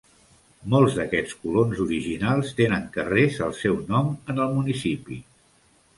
Molts d'aquests colons originals tenen carrers al seu nom en el municipi.